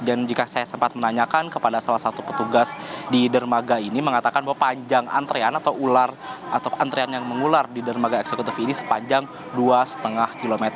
dan jika saya sempat menanyakan kepada salah satu petugas di dermaga ini mengatakan bahwa panjang antrean atau antrean yang mengular di dermaga eksekutif ini sepanjang dua lima km